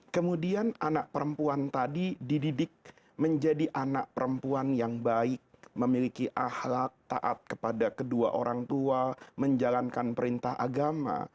kemudian anak perempuan tadi dididik menjadi anak perempuan yang baik memiliki ahlak taat kepada kedua orang tua menjalankan perintah agama